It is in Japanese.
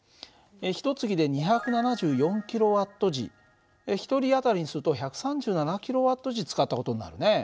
ひとつきで２７４ｋＷｈ１人あたりにすると１３７ｋＷｈ使った事になるね。